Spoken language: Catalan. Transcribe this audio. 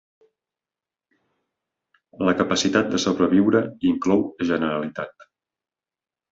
La capacitat de sobreviure inclou generalitat.